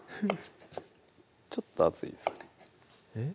ちょっと厚いですかねえっ？